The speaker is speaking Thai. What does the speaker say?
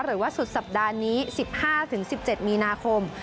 หรือว่าสุดสัปดาห์นี้๑๕๑๗มีนาคม